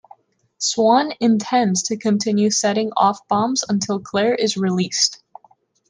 Swan intends to continue setting off bombs until Claire is released.